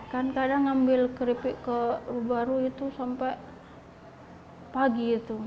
kan kadang ambil keripik ke rubaruh itu sampai pagi itu